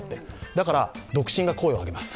だから独身が声を上げます。